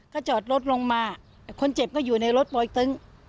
ก็จอดรถลงมาคนเจ็บก็อยู่ในรถปลอยตึง